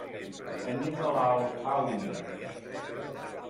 Anem a Alfauir.